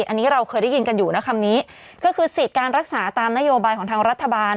อันนี้เราเคยได้ยินกันอยู่นะคำนี้ก็คือสิทธิ์การรักษาตามนโยบายของทางรัฐบาล